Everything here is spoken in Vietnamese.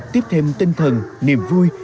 tiếp thêm tinh thần niềm vui